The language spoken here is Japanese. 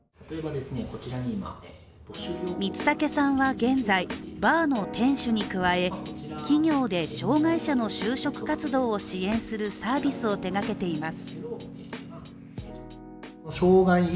光武さんは現在バーの店主に加え企業で障害者の就職活動を支援するサービスを手がけています